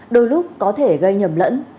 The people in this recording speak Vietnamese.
đôi lúc có thể gây nhầm lẫn